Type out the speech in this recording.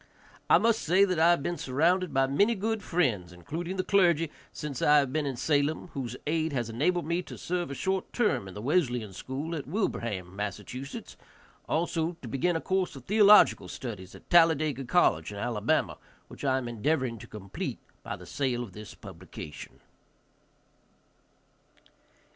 I must say that I have been surrounded by many good friends, including the clergy, since I have been in Salem, whose aid has enabled me to serve a short term in the Wesleyan school at Wilbraham, Mass., also to begin a course of theological studies at Talladega college in Alabama, which I am endeavoring to complete by the sale of this publication.